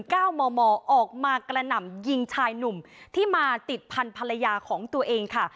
เก้ามอมอออกมากระหน่ำยิงชายหนุ่มที่มาติดพันธรรยาของตัวเองค่ะ